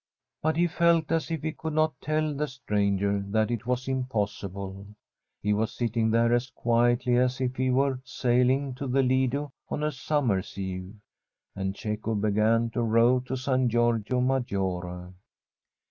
But he felt as if he could not tell the stranger that it was impossible. He was sitting there as quietly as if he were sailing to the Lido on a summer's eve. And Cecco began to row to San Giorgio Maggiore.